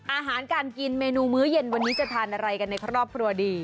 อาหารการกินเมนูมื้อเย็นวันนี้จะทานอะไรกันในครอบครัวดี